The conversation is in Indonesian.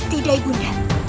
tidak ibu nda